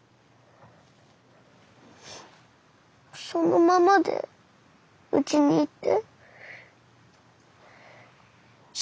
そのままでうちにいて。